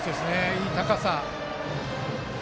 いい高さ。